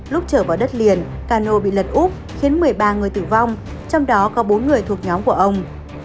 lúc trở vào đất liền cano bị lật úp khiến một mươi ba người tử vong trong đó có bốn người thuộc nhóm của ông